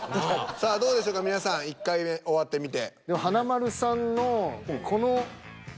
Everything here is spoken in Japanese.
さあどうでしょうか皆さん１回目終わってみて。